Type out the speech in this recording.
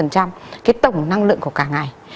cái tổng năng lượng của cả ngày